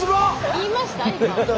言いました？